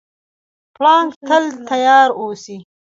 پړانګ تل تیار اوسي.